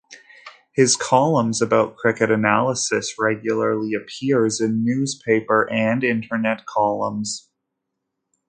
His columns about cricket analysis regularly appears in newspaper and internet columns.